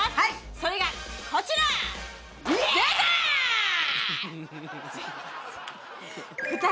それがこちらヤー！